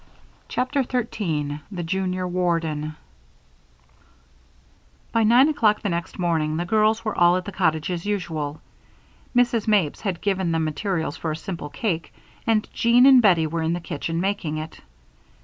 CHAPTER 13 The Junior Warden By nine o'clock the next morning, the girls were all at the cottage as usual. Mrs. Mapes had given them materials for a simple cake and Jean and Bettie were in the kitchen making it.